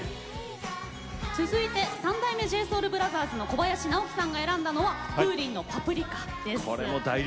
続いて三代目ＪＳＯＵＬＢＲＯＴＨＥＲＳの小林直己さんが選んだのはＦｏｏｒｉｎの「パプリカ」です。